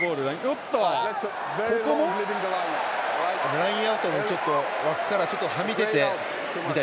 ラインアウトの枠からはみ出るという。